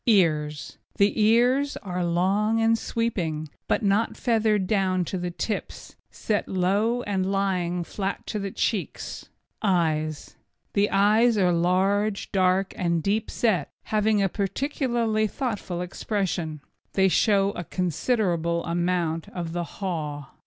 EARS The ears are long and sweeping, but not feathered down to the tips, set low and lying flat to the cheeks. EYES The eyes are large, dark and deeply set, having a peculiarly thoughtful expression. They show a considerable amount of the haw.